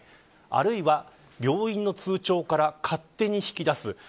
あるいは病院の通帳から勝手に引き出す。